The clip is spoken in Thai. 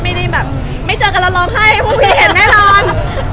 ไม่ได้แบบไม่เจอกันแล้วร้องไห้ให้พวกพี่เห็นแน่นอน